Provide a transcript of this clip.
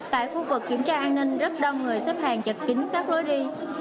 tại khu vực kiểm tra an ninh rất đông người xếp hàng chật kính các lối đi